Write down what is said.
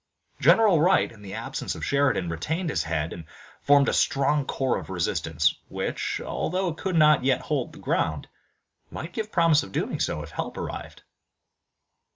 General Wright in the absence of Sheridan retained his head, and formed a strong core of resistance which, although it could not yet hold the ground, might give promise of doing so, if help arrived.